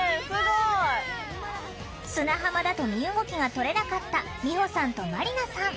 砂浜だと身動きがとれなかったみほさんとまりなさん。